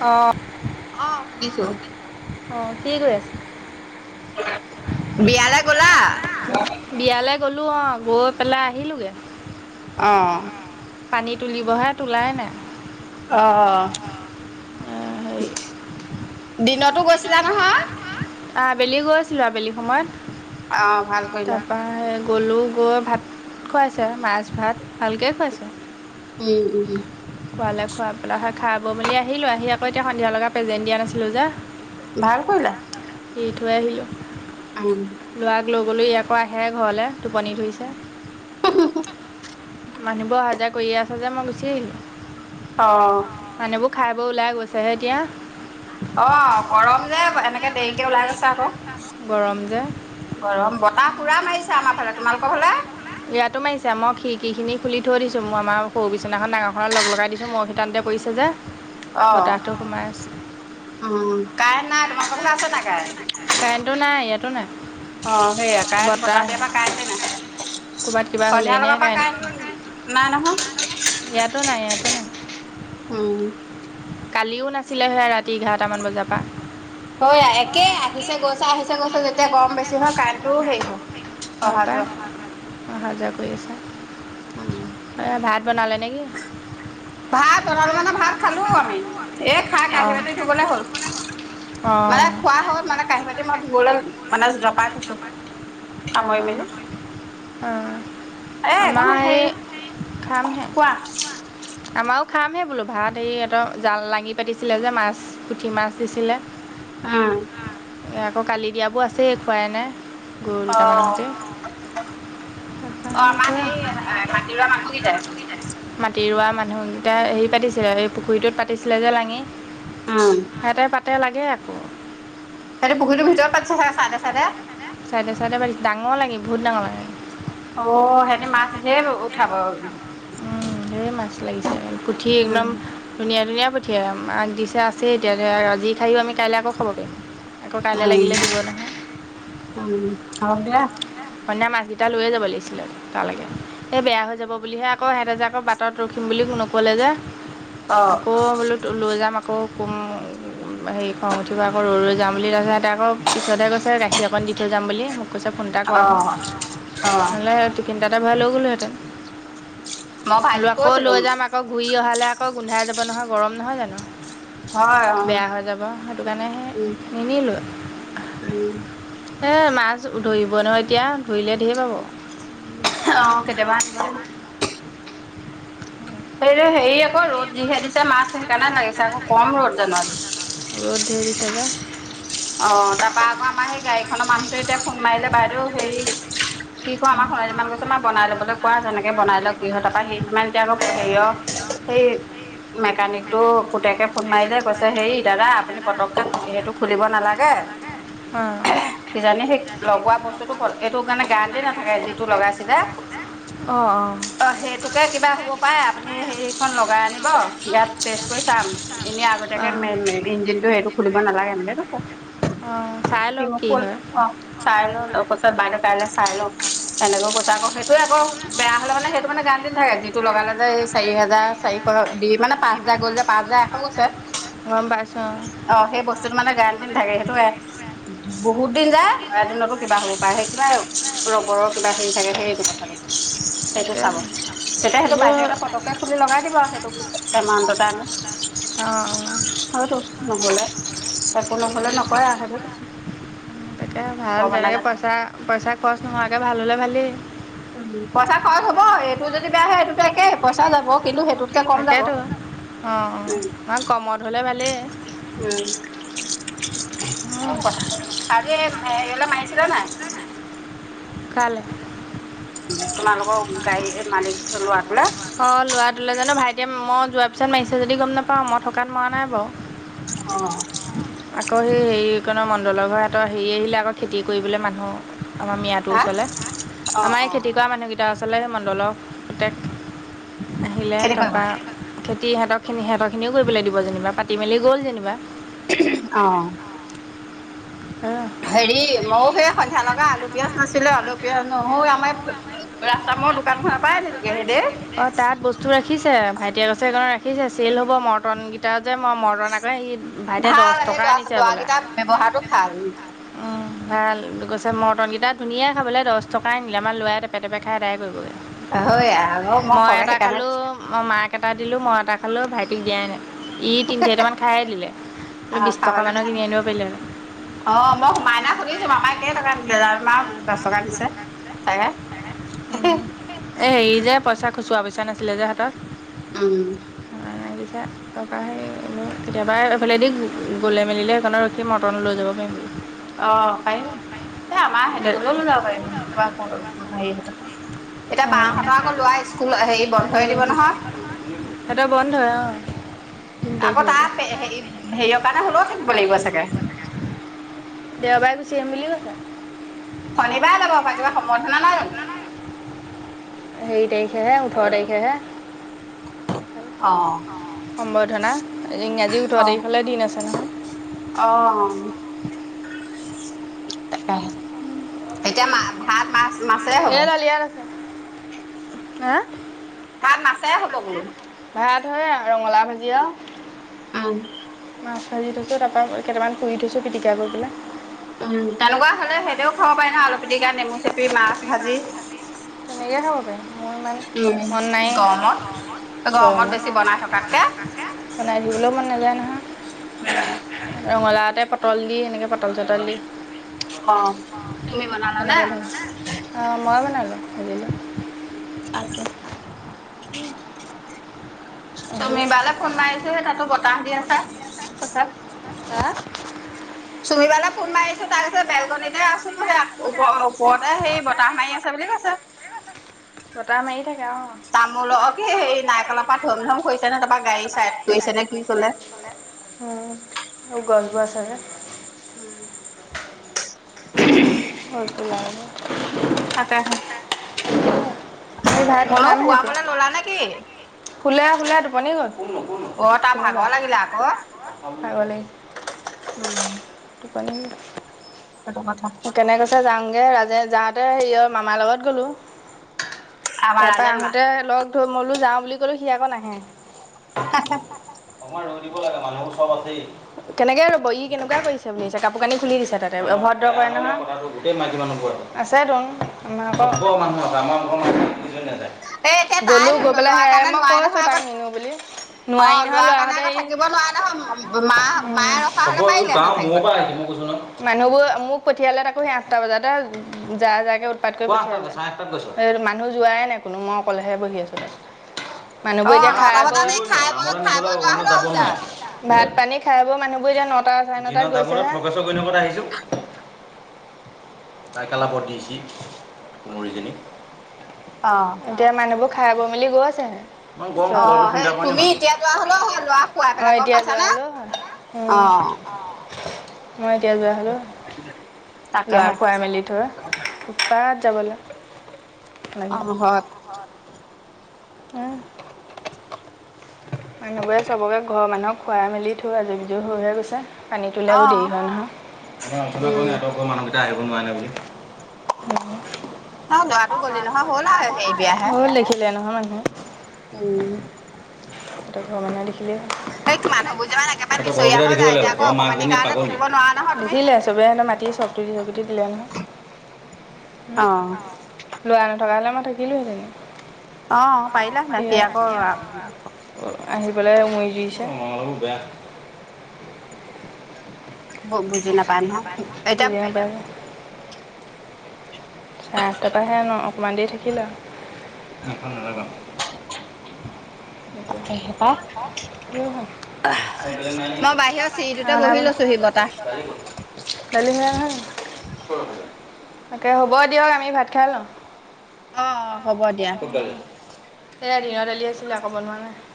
অ'। অ' শুনিছোঁ। অ' কি কৰি আছে? বিয়ালৈ গ'লা? বিয়ালৈ গ'লোঁ অ' গৈ পেলাই আহিলোগে। অ'। পানী তুলিবহে তোলাই নাই। অ' হেৰি দিনতো গৈছিলা নহয়। আবেলি গৈছিলোঁ আবেলি সময়ত। অ' ভাল কৰিলা। [unintelligible] গ'লো গৈ ভাত খুৱাইছে মাছ ভাত। ভালকে খুৱাইছে। উম, উম, খোৱালে খোৱা পেলাই হয় খাই বুলি আহিলোঁ আহি আকৌ এতিয়া সন্ধিয়া লগা প্ৰেজেণ্ট দিয়া নাছিলো যে। ভাল কৰিলা। দি থৈ আহিলোঁ। [unintelligible] ল'ৰাক লৈ গ'লো ই আকৌ আহে ঘৰলৈ টোপনি ধৰিছে। [unintelligible] মানুহবোৰ অহা যোৱা কৰিয়ে আছে যে মই গুচি আহিলোঁ। অ'। মানুহবোৰ খাই বই ওলাই গৈছেহে এতিয়া। অ' গৰম যে এনেকে দেৰিকে ওলাই গৈছে আকৌ। গৰম যে। গৰম বতাহ পুৰা মাৰিছে আমাৰ ফালে তোমালোকৰ ফালে। ইয়াতো মাৰিছে মই খিৰিকিখিনি খুলি থৈ দিছোঁ মোৰ আমাৰ সৰু বিচনাখন ডাঙৰখন লগ লগাই দিছোঁ মোৰ সিতান্তে পৰিছে যে। অ' বতাহটো সোমাই আছে উম, কাৰেণ্ট নাই তোমালোকৰ ঘৰত আছে নাই কাৰেণ্ট? কাৰেণ্টো নাই ইয়াতো নাই। অ' সেয়া কাৰেণ্ট বতাহ দিয়াৰ পৰা কাৰেণ্টে ক'ৰবাত নাহে। কিবা সন্ধিয়া হ'লেইনে লগৰ পৰা কাৰেণ্ট কাৰেণ্টো নাই নহয়। ইয়াতো নাই ইয়াতো নাই। উম। কালিও নাছিলে সেই ৰাতি এঘাৰটামান বজাৰ পৰা। হয় একে আহিছে গৈছে আহিছে গৈছে যেতিয়া গৰম বেছি হয় কাৰেণ্টোৱো হেৰি হয়। অ' অহা পাই যোৱা অহা যোৱা কৰি আছে। [unintelligible] এ, ভাত বনালে নে কি? ভাত বনালোঁ মানে ভাত খালোঁও আমি, এই খাই কাঁহী অঁ বাতি ধুবলৈ হ'ল। মানে অঁ খোৱা হ'ল মানে কাঁহী বাতি মই ধুবলৈ মানে জপাই থৈছোঁ। সামৰি মেলি। অ' এ একো নহয় আমাৰ হেৰি এই খাম হে। কোৱা আমাৰো খামহে বোলো ভাত এই এদ জাল লাঙি পাতিছিলে যে মাছ। পুঠি মাছ দিছিলে। উম। আকৌ কালি দিয়াবোৰ আছেই খুৱাই নাই গৰু অ দুটামানৰহতে অ আমাৰ সেই মাটি ৰোৱা মানুহ কিটাই মাতি ৰোৱা মানুহকেইটা হেৰি পাতিছিলে এই পুখুৰীটোত পাতিছিলে যে লাঙি উম তাতে লাগে আকৌ তাহাতি পুখুৰীটো ভিতৰত পাতিছে চাগে চাইদে চাইদে চাইডে ডাঙৰ লাঙি বহুত ডাঙৰ লাগে অ সিহঁতে মাছ ধেৰ উঠাব উম ধেৰ মাছ লাগিছে পুঠি একদম উম ধুনীয়া ধুনীয়া পুঠি একদম দিছে আছে এতিয়া আজি খায়ও আমি কাইলৈ আকৌ খাব পাৰিম আকৌ কাইলৈ উম লাগিলে দিব নহয় উম হওক দিয়া সৈদিনা মাছগিটা লৈয়ে যাব লাগিছিলে তালৈকে এই বেয়া হৈ যাব বুলিহে আকৌ সিহঁতে যে আকৌ বাটত ৰখিম বুলি নক'লে যে অ আকৌ বোলো লৈ যাম আকৌ কম হেৰি খং উঠিব আকৌ ৰৈ ৰৈ যাম বুলি তাৰপিছতে কৈছে আকৌ পিছত হে কৈছে গাখীৰ অকণ দি থৈ যাম বুলি মোক কৈছে ফোন এটা অ কৰাচোন। অ ন'হলে তিফিন এটতে ভৰাই লৈ গ'লোহেঁতেন মই ভাইটিক আকৌ কৈছিলো লৈ যাম আকৌ আকৌ ঘূৰি অহালে আকৌ গোন্ধাই যাব নহয় গৰম নহয় জানো হয় অ বেয়া হৈ যাব সেইটো কাৰণে সে উম নিনিলোঁ উম। এ মাছ ধৰিব নহয় এতিয়া ধৰিলে ঢেৰ পাব অ কেতিয়াবা আহিব সেইযে হেৰি আকৌ ৰ'দ যিহে দিছে মাছ সেইকাৰণে লাগিছে আকৌ কম ৰ'দ জানো আজি ৰ'দ ধেৰ দিছে যে, অ তাৰপৰা আকৌ আমাৰ সেই গাড়ীখনৰ মানুহতোৱে যেতিয়া ফোন মাৰিলে বাইদেউ হেৰি সি আকৌ আমাৰ শৰাল যিমান গৈছে মই বনাই ল'বলৈ কোৱা যেনেকে বাই লও গৃহতাৰ পৰা সেইদিমান এতি আকৌ হেৰিয়াৰ সেই মেকানিকটো পুতেকে ফোন মাৰিলে কৈছে হেৰি দাদা আপুনি পতকে সেইটো খুলিব নালাগে অ কিজানি সেই লগোৱা বস্তুতটো এইটো কাৰণে গেৰাণ্টি না যিটো লগাইছিলে অঁ অঁ অ সেইটোকে কিবা হ'ব পাৰে আপুনি এইখন লগাই আনিব ইয়াত টেষ্ট কৰি চাম এনেই অঁ আগতিয়াকে ইঞ্জিনতটো সেইটো খুলিব নালাগে এনেকে কৈছে উম চাই সি লও মোক কি কল হয় অ চাই লওঁ কৈছে বাইদেউ কাইলৈ চাই লওঁ তেনেকেও কৈছে আকৌ সেইটোয়ে আকৌ বেয়া হ'লে মানে সেইটো মানে গান থাকে যিটো লগালে চাৰি হাজাৰ চাৰিশ দি মানে পাঁচ হাজাৰ গ'ল যে পাঁচ হাজাৰ এশ গৈছে গম পাইছোঁ অ'। অ সেই বস্তুতটো মানে গেৰাণ্টি নাথাকে সেইটোৱে বহুত দিন যায় এ দিনতো কিবা হ'ব পায় সেই কিবা ৰবৰৰ কিবা হেৰি থাকে সেইটো কথাটো সেইটো তাকে চাব তেতিয়া সেইটো এইবোৰ বাহিৰত পটকে খুলি লগাই দিব আৰু সেইটো এমাউণ্টতে আনি অ অ। হয়তো নহলে একো নকলে নকয় আৰু সেইটো কৈছো তাকে ভাল ভগৱানে তেনেকে জানে পইচা পইচা খৰচ নোহোৱাকে ভাল হলে ভালেই পইচা খৰচ হ'ব এইটো যদি বেয়া হয় এইটোতো একে পইচা যাব কিন্তু সেইটোত, তাকেতো অ কমত হ'লে ভালেই উম কথা আজি হেৰিয়ালৈ মাৰিছিলা নাই,? কালে? তোমালোকৰ গাড়ী মালিক ল'ৰাটোলে অ', ল'ৰাটোলে জানো ভাইটিয়ে মই যোৱাৰ পিছত মাৰিছে যদি গম নাপাওঁ মই থকাত মৰা নাই বাৰু। অ'। আকৌ সেই হেৰি [unintelligible] মণ্ডলৰ ঘৰৰ হেৰি আহিলে আকৌ খেতি কৰিবলৈ মানুহ আমাৰ মিঞাটোৰ হা ওচৰলে, অ আমাৰ অ এই খেতি কৰা মানুহকেইটা ওচৰলে মণ্ডলৰ পুতেক আহিলে, খেতি কৰিব তাৰপা খেতি সেহঁতৰখিনি, সেহঁতৰখিনিও কৰিবলৈ দিব যেনিবা পাতি মেলি গ'ল যেনিবা। অ'। অহ। হেৰি মইয়ো সেই সন্ধিয়া লগা আলু, পিয়াজ নাছিলে আলু পিয়াজ [unintelligible] আমাৰ ৰাস্তা মূৰৰ দোকানখনৰ পৰাই আনিলেগে সিঁহেতে! অ', তাত বস্তু ৰাখিছে, ভাইটিয়ে কৈছে সেইকণত ৰাখিছে চেল হ'ব মৰ্টন তাত যে মৰ্টন আকৌ সি ভাইটিয়ে দহ ভাল এই টকা ল'ৰা নিছে বোলে। ল'ৰাকেইটা ব্যৱহাৰটো ভাল [inaudible] ভাল কৈছে মৰ্টন কেইটা ধুনীয়া খাবলে দহ টকা নিলে আমাৰ ল'ৰাই টেপেৰ, টেপেৰ খাই তাকে কৰিবগৈ। হৈয়া অ', মই [unintelligible] এটা সেইকাৰণে খালোঁ মই মাক এটা দিলোঁ, মই এটা খালোঁ ভাইটিক দিয়াই নাই। ই তিনি চাৰিটামান খায়ে দিলে অ বিছ টকা খাবলে মানৰ বেয়া কিনি আনিব পাৰিলে হয়। অ', মই মাইনাক সুধিছোঁ মামাই কেইটকা দিছে তাৰপা দহটকা দিছে, তাকে। [inaudible] এ, হেৰি যে পইচা খচুৰা পইচা নাছিলে যে হাতত। উম। [inaudible] টকাই কেতিয়াবা এফালেদি গ'লে মেলিলে সেইকণত ৰখি মৰ্টন লৈ যাব পাৰিম। অ', পাৰিম এ, আমাৰ সিহঁতি বুলি গ'লেও নৈ যাব পাৰিম কিবা কৰোঁ আমাৰ হেৰিহঁতক এতিয়া বাহতৰ আকৌ ল'ৰা স্কুল হেৰি বন্ধই দিব নহয়। সিঁহতৰ বন্ধই অ'। আকৌ তাৰ হেৰি- হেৰিয়ৰ কাৰণে হ'লেও থাকিব লাগিব চাগে! দেওবাৰে গুচি আহিম বুলি কৈছে। শনিবাৰে যাব পাৰে, কিবা সম্বৰ্ধনা নাই জানো? হেৰি তাৰিখেহে, ওঠৰ তাৰিখেহে। অ সম্বৰ্ধনা, ইংৰাজী অ ওঠৰ তাৰিখলে দিন আছে নহয়। অ'। এতিয়া, মা ভাত মাছ মাছেৰে হ'ব এইডাল ইয়াত আছে, হা' ভাত মাছৰে হ'ব বোলো! ভাত হৈয়া ৰঙালাও ভাজি আৰু। [inaudible] মাছ ভাজি থৈছোঁ তাৰপা কেটামান পুৰি থৈছোঁ পিটিকা কৰি পেলাই। উম, তেনেকুৱা হ'লে [unintelligible] খাব পাৰি নহয় আলু পিটিকা নেমু চেপি মাছ ভাজি। তেনেকে খাব পাৰি, মই ইমান মন নাই, গৰমত গৰমত বেছি বনাই থকাতকে গৰমত। বনাই দিবলেও মন নাযায় নহয়। [inaudible] ৰঙালাওতে পটল দি এনেকে পটল চটল দি অ', তুমি বনালা নে? অ', ময়ে বনালোঁ [unintelligible] [inaudible] আহি চুমি বালৈ ফোন মাৰিছোঁ হে তাতো বতাহ দি আছে কৈছে আ চুমিবালৈ ফোন মাৰিছোঁ, তাই কৈছে বেলকনিতে আছ [unintelligible] সেইয়া ওপৰ-ওপৰতে সেই বতাহ মাৰি আছে বুলি কৈছে। বতাহ মাৰি থাকে অ'। তামোলকে সেই নাৰিকলৰ পাত ধুম, ধুম সৰিছে নে তোমাৰ গাড়ী চাইড কৰিছে নে কি ক'লে। উম, গছজোপা আছে যে। উম। [inaudible] তাকেহে। আমি ভাত মোলৈ খামহে এতিয়া শুৱাবলৈ ললা নেকি? শুলে, শুলে টোপনি গ'ল। অ', তাৰ ভাগৰ লাগিলে আকৌ। [unintelligible] ভাগৰ লাগিল! উম। টোপনি [inaudible] কেনে কৈছে যাওঁগে ৰাজে যাওঁতে হেৰিয় মামাৰ লগত গ'লো। আমাৰ তাৰপা ৰাজেন মা আহোঁতে লগ ধৰ মই বোলো যাওঁ বুলি ক'লো সি আকৌ নাহে। [inaudible] অকণমান ৰৈ দিব লাগে মানুহবোৰ চব আছেই! কেনেকে ৰ'ব ই কেনেকুৱা কৰিছে, বুলি ভাবিছে কাপোৰ কানি খুলি দিছে তাতে অভ্ৰ দ্ৰ কয় নহয়, আছেতো আমাৰ আকৌ এ এতিয়া [unintelligible] তাই গ'লো গৈ পেলাই নোলোৱাৰ সেইয়া কাৰণে মই নোৱাৰে কৈছোঁ নহয় তাক আগত নিনিও বুলি। অ নোৱাৰি নহয় লোৱাৰ কাৰণে ল'ৰাহতে আকৌ থাকিব নোৱাৰে নহয় মা আহ, মায়ে ৰখা হ'ব হলে পাৰিলেহেঁতেন গাওঁ মূৰৰ থাকিবলৈ। পৰা আহিছে মই কৈছোঁ ন মানুহবোৰ মোক পঠিয়ালে তাকো সেই আঠটা বজাতে যা-যাকে উৎপাত কৰি পঠিয়ালে মানুহ যোৱাই নাই কোনো। কোনো মই অকলেহে বহি আছোঁ [unintelligible] মানুহবোৰ অ এতিয়া খাই নটা বৈ, বজাত এই [unintelligible] খাই বৈ খাই বৈ যোৱা হলেও যাব হৈ যায়। নোৱাৰে। ভাত পানী খাই বৈ মানুহবোৰ এতিয়া নটা চাৰে নটাত [unintelligible] [inaudible] [inaudible] অ এতিয়া মানুহবোৰ খাই বৈ মেলি গৈছেহে। ইমান বৰ অ ওপৰলে সেই চিন্তা কৰে নেকি তুমি মানুহে। এতিয়া যোৱা হলেও হয় লৰা শুৱাই পেলাই অ', গম এতিয়া পাইছা যোৱা নে? হেল্ল'! অ মই এতিয়া যোৱা হ'লেও, দুৱা তাকেহে পয়া মেলি থৈ পাৰাত যাবলৈ অ', হয়। কৰা। মানুহবোৰে চবকে ঘৰৰ মানুহক খুৱাই মেলি থৈ আজৰি পিজৰি হৈহে গৈছে। পানীতোলে আকৌ দেৰি অ। হয়, নহয়। উম ন ল'ৰাটো গ'লি নহয় হ'ল আৰু হেৰি বিয়াহে [inaudible] [inaudible] উম। তাত ঘৰ বনাই লিখি দিম। এই মানুহবোৰ যে একেবাৰে সিঁহতৰ গৰম নিচৰিয়া দিনত হৈ যায় কেনেকুৱা এতিয়া লাগিব, আকৌ ঘৰ অকমানিৰ মাকজনী কাৰণে পাগলী থাকিব নোৱাৰা নহয় তুমি দেখিলে চবে মাতি চব [unintelligible] দিলে নহয়। অ', লৰা নথকা হ'লে মই থাকিলোঁহেতেন। অ', পাৰিলা [unintelligible] সি আকৌ আহি পেলাই উৰি দিছে। বুজি নাপায় নহয় এতিয়া [inaudible] কি চাৰে আঠ পা হে ন! অকণমান দেৰি থাকিলে তাকেহে পাই মই বাহিৰৰ চিৰিটোতে বহি আৰু। লৈছোহি বতাহ [inaudible] [inaudible] [inaudible] দালিমৰা নহয় তাকে হ'ব দিয়ক আমি ভাত খাই লওঁ। অ অ হ'ব দিয়া এয়া দনৰ আলি আছিলে আকৌ বনোৱা নাই।